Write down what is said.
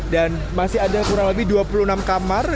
dan masih ada kurang lebih dua puluh enam kamar